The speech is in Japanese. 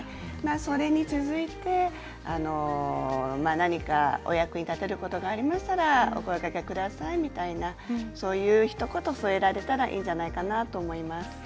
それに続いて何かお役に立てることがありましたらお声かけくださいみたいなひと言、添えられたらいいんじゃないかなと思います。